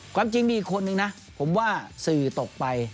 ความจริงมีอีกคนนึงนะผมว่าสื่อตกไป